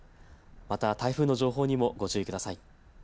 また、台風の情報にもご注意ください。